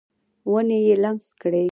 ونې یې لمس کړي